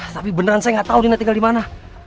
tapi beneran saya gak tau nina tinggal dimana